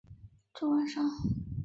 这个晚上